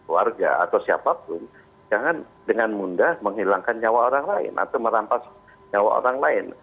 warga atau siapapun jangan dengan mudah menghilangkan nyawa orang lain atau merampas nyawa orang lain